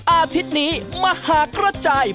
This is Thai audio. อาทิตย์นี้มหากระจาย